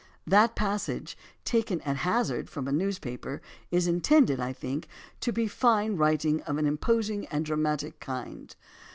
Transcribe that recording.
That passage, taken at hazard from a newspaper, is intended, I think, to be fine writing of an imposing and dramatic kind.